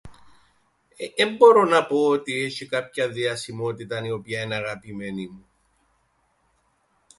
Ε.. εν μπορώ να πω ότι έσ̆ει κάποιαν διασημότηταν η οποία εν' αγαπημένη μου.